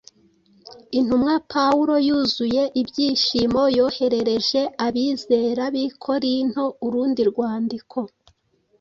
Intumwa Pawulo yuzuye ibyishimo, yoherereje abizera b’i Korinto urundi rwandiko